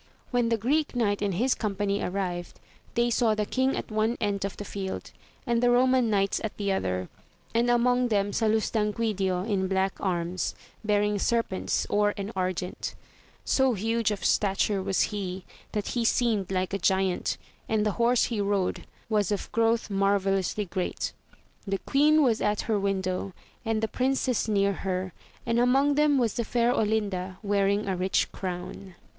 When the Greek Knight and his com pany arrived, they saw the king at one end of the field, and the Eoman knights at the other, and among them Salustanquidio in black arms, bearing serpents or and argent ; so huge of stature was he, that he seemed like a giant ; and the horse he rode was of growth marvellously great. The queen was at her window, and the princess near her, and among them was the fair Olinda wearing a rich crown.